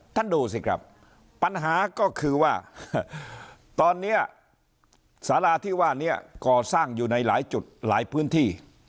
ท่านดูสิครับปัญหาก็คือว่าตอนนี้สาราที่ว่านี้ก่อสร้างอยู่ในหลายจุดหลายพื้นที่